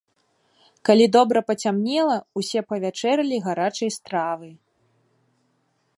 Калі добра пацямнела, усе павячэралі гарачай стравы.